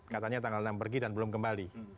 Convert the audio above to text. katanya tanggal enam pergi dan belum kembali